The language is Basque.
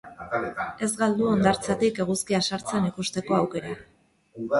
Ez galdu hondartzatik eguzkia sartzen ikusteko aukera.